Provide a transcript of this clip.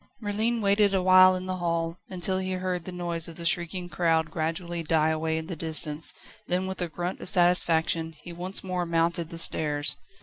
Merlin waited a while in the hall, until he heard the noise of the shrieking crowd gradually die away in the distance, then with a grunt of satisfaction he one more mounted the stairs.